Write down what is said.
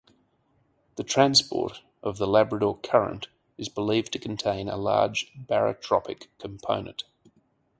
The transport of the Labrador Current is believed to contain a large barotropic component.